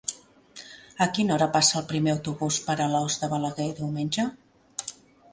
A quina hora passa el primer autobús per Alòs de Balaguer diumenge?